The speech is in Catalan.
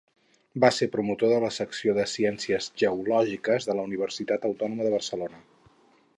Va ser promotor de la secció de ciències geològiques de la Universitat Autònoma de Barcelona.